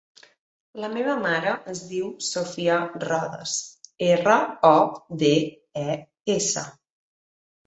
La meva mare es diu Sofía Rodes: erra, o, de, e, essa.